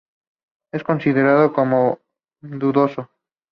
Es considerado como dudoso.